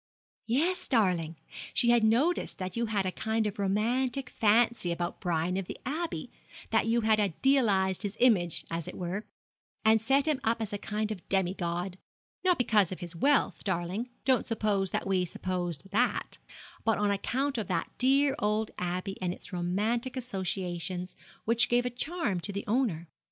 'Yes, darling. She had noticed that you had a kind of romantic fancy about Brian of the Abbey that you had idealised his image, as it were and set him up as a kind of demi god. Not because of his wealth, darling don't suppose that we supposed that but on account of that dear old Abbey and its romantic associations, which gave a charm to the owner.